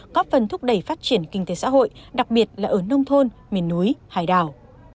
có phần thúc đẩy phát triển kinh tế xã hội đặc biệt là ở nông thôn miền núi hải đảo